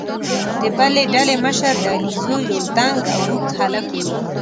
د بلې ډلې مشر د علیزو یو دنګ او اوږد هلک وو.